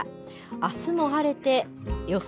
あすも晴れて予想